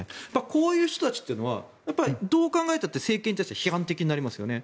こういう人たちというのはどう考えたって政権に対して批判的になりますよね。